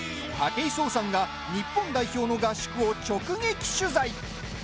武井壮さんが日本代表の合宿を直撃取材。